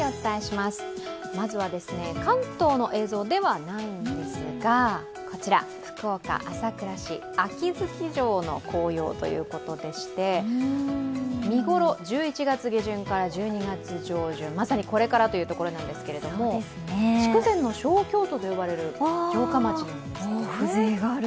まずは関東の映像ではないんですが、こちら、福岡朝倉市秋月城の紅葉ということでして見頃は１１月下旬から１２月上旬、まさにこれからというところなんですけれども、筑前の小京都と呼ばれる城下町なんですね。